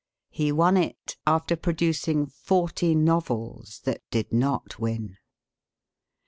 He won it after producing forty novels that did not win.